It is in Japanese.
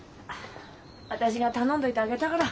私が頼んでおいてあげたから。